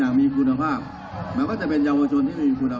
อย่างมีคุณภาพหมายความว่าจะเป็นเยาวชนที่ไม่มีคุณภาพ